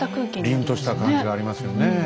りんとした感じがありますよねえ。